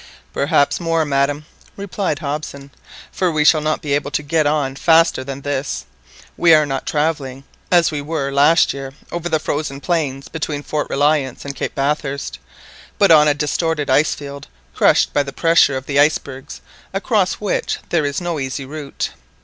"Perhaps more, madam," replied Hobson, "for we shall not be able to get on faster than this. We are not travelling as we were last year over the frozen plains between Fort Reliance and Cape Bathurst; but on a distorted ice field crushed by the pressure of the icebergs across which there is no easy route.